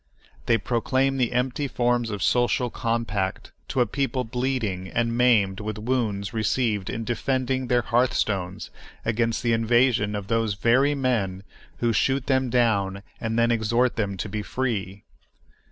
They proclaim the empty forms of social compact to a people bleeding and maimed with wounds received in defending their hearthstones against the invasion of these very men who shoot them down and then exhort them to be free.